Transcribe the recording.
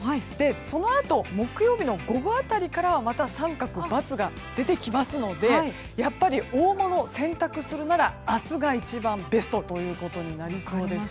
そのあと、木曜日の午後辺りからまた△、×が出てきますのでやっぱり、大物を洗濯するなら明日が一番ベストとなりそうです。